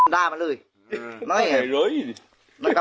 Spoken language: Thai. ว่าเสียบ้า